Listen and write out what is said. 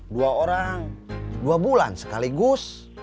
dua orang dua bulan sekaligus